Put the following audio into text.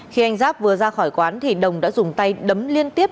khi anh giáp vừa ra khỏi quán thì đồng đã dùng tay để nói chuyện